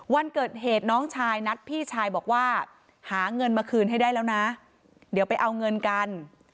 วันเกิดเหตุน้องชายนัดพี่ชายบอกว่าหาเงินมาคืนให้ได้แล้วนะเดี๋ยวไปเอาเงินกัน